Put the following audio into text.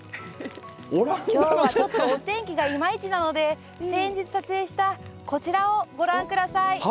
きょうは、ちょっとお天気がいまいちなので、先日撮影したこちらをご覧ください。